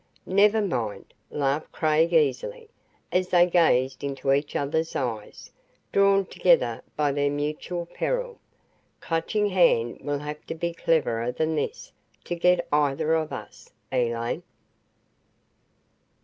"Never mind," laughed Craig easily, as they gazed into each other's eyes, drawn together by their mutual peril, "Clutching Hand will have to be cleverer than this to get either of us Elaine!"